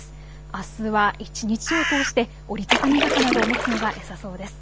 あすは一日を通して折り畳み傘など持つのがよさそうです。